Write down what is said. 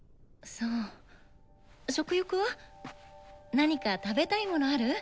何か食べたいものある？